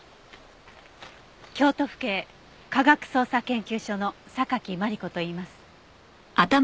京都府警科学捜査研究所の榊マリコといいます。